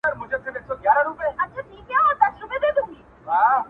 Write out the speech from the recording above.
نه خمار مي د چا مات کړ- نه نشې مي کړلې مستې-